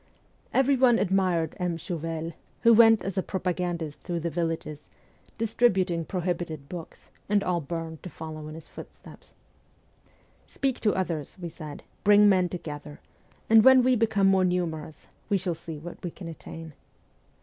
Everyone admired M. Chovel, who went as a propagandist through the villages colporting pro hibited books, and burned to follow in his footsteps. ' Speak to others,' we said ;' bring men together ; and when we become more numerous, we shall see what we can attain.'